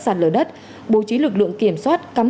sạt lở đất bố trí lực lượng kiểm soát